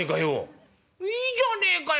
「いいじゃねえかよ